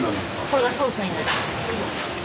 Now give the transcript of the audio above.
これがソースになります。